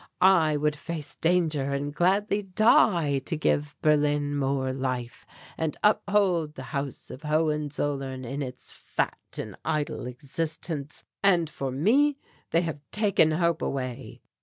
I would face danger and gladly die to give Berlin more life and uphold the House of Hohenzollern in its fat and idle existence; and for me they have taken hope away!